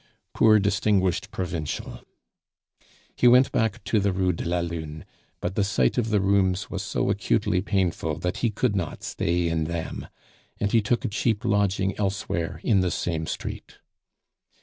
Poor distinguished provincial! He went back to the Rue de la Lune; but the sight of the rooms was so acutely painful, that he could not stay in them, and he took a cheap lodging elsewhere in the same street.